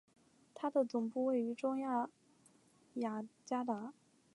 它的总部位于中亚雅加达。